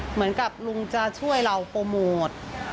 เหมือนกับลุงจะช่วยเราโปรโมท